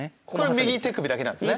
右手首だけなんですね。